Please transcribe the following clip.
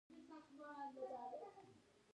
غنم په ګدامونو کې ساتل کیږي.